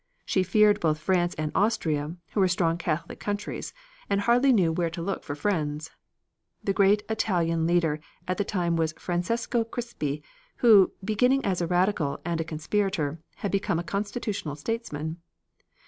She feared both France and Austria, who were strong Catholic countries, and hardly knew where to look for friends. The great Italian leader at the time was Francesco Crispi, who, beginning as a Radical and a conspirator, had become a constitutional statesman.